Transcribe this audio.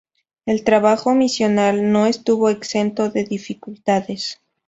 El trabajo misional no estuvo exento de dificultades.